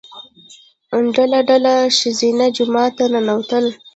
ډله ډله ښځینه جومات ته ننوتل.